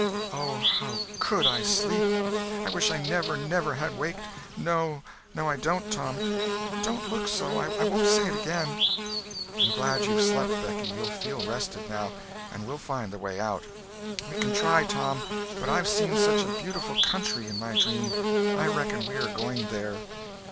"Oh, how could I sleep! I wish I never, never had waked! No! No, I don't, Tom! Don't look so! I won't say it again." "I'm glad you've slept, Becky; you'll feel rested, now, and we'll find the way out." "We can try, Tom; but I've seen such a beautiful country in my dream. I reckon we are going there."